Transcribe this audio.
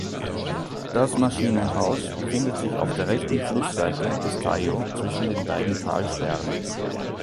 Das Maschinenhaus befindet sich auf der rechten Flussseite des Tajo zwischen den beiden Talsperren.